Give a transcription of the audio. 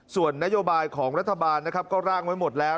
ส่วนนโยบายของรัฐบาลนะครับก็ร่างไว้หมดแล้ว